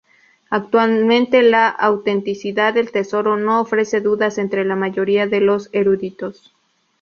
Actualmente la autenticidad del tesoro no ofrece dudas entre la mayoría de los eruditos.